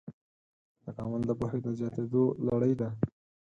تکامل د پوهې د زیاتېدو لړۍ ده.